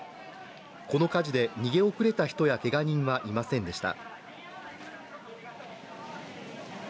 この火事で逃げ遅れた人やけが人はいませんでした。